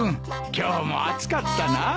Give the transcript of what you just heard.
今日も暑かったなぁ。